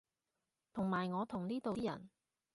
同埋我同呢度啲人